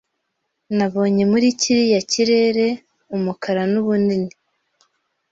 Nabonye muri kiriya kirere umukara n'ubunini